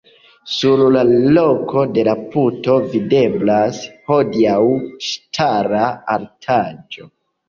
Sur la loko de la puto videblas hodiaŭ ŝtala artaĵo.